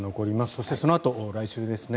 そして、そのあと来週ですね